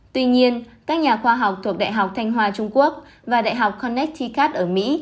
tuy nhiên các nhà khoa học thuộc đại học thanh hòa trung quốc và đại học connecticut ở mỹ